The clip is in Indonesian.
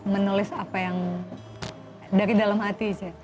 menulis apa yang dari dalam hati